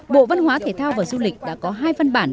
bộ văn hóa thể thao và du lịch đã có hai văn bản